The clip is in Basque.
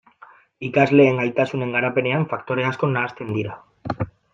Ikasleen gaitasunen garapenean faktore asko nahasten dira.